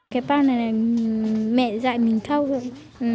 cái bao này là mẹ dạy mình thâu rồi